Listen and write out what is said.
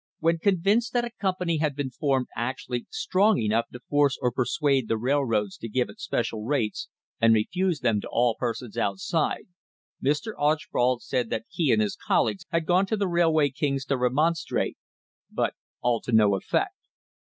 When convinced that a company had been formed actually strong enough to force or persuade the railroads to give it special rates and refuse them to all persons outside, Mr. Archbold said that he and his colleagues had gone to the rail way kings to remonstrate, but all to no effect.